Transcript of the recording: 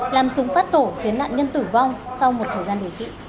làm súng phát nổ khiến nạn nhân tử vong sau một thời gian điều trị